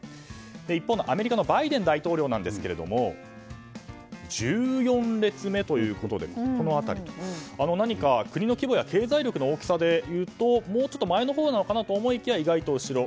一方、アメリカのバイデン大統領ですが１４列目ということで何か国の規模や経済力の大きさで言うともうちょっと前のほうなのかと思いきや意外と後ろ。